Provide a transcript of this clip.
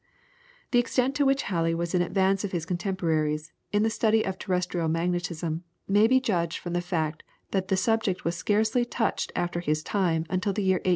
The extent to which Halley was in advance of his contemporaries, in the study of terrestrial magnetism, may be judged from the fact that the subject was scarcely touched after his time till the year 1811.